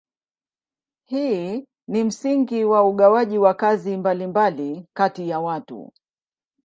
Hii ni msingi wa ugawaji wa kazi mbalimbali kati ya watu.